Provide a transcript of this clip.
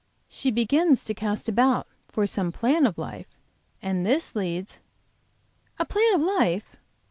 She begins to cast about for some plan of life, and this leads " "A plan of life?"